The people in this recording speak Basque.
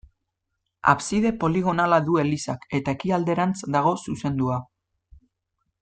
Abside poligonala du elizak eta ekialderantz dago zuzendua.